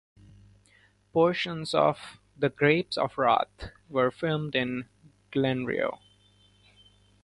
Portions of "The Grapes of Wrath" were filmed in Glenrio.